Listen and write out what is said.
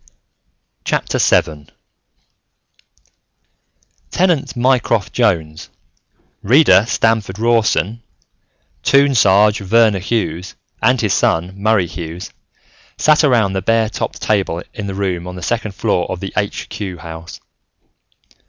VII Tenant Mycroft Jones, Reader Stamford Rawson, Toon Sarge Verner Hughes, and his son, Murray Hughes, sat around the bare topped table in the room on the second floor of the Aitch Cue House.